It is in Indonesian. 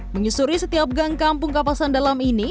menyusuri setiap gang kampung kapasan dalam ini